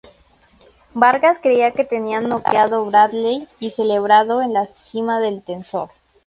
Vargas creía que tenía noqueado Bradley y celebrado en la cima del tensor.